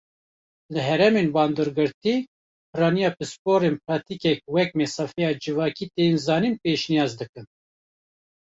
Li herêmên bandorgirtî, piraniya pisporan pratîkek wek mesafeya civakî tê zanîn pêşniyaz dikin.